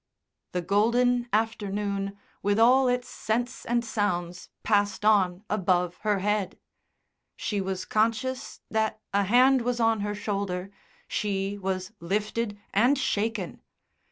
The golden afternoon, with all its scents and sounds, passed on above her head. She was conscious that a hand was on her shoulder, she was lifted and shaken.